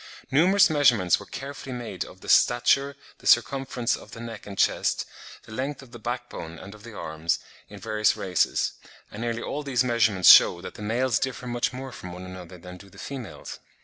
Numerous measurements were carefully made of the stature, the circumference of the neck and chest, the length of the back bone and of the arms, in various races; and nearly all these measurements shew that the males differ much more from one another than do the females.